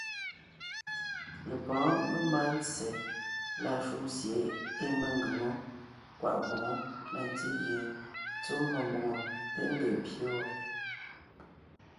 Lepɔ́ɔn memáa ntse lâ shúm sie ée mengʉ̀ŋe wó kwaʼ mboŋó na ntí gie tsɔ́ mmó mbòŋo téen ńgee ḿbyé wɔ́,